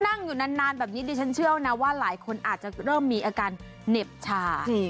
นั่งอยู่นานแบบนี้ดิฉันเชื่อนะว่าหลายคนอาจจะเริ่มมีอาการเหน็บชา